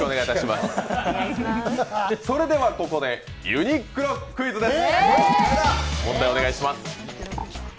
それではここでユニクロクイズです。